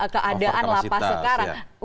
keadaan lapas sekarang over kapasitas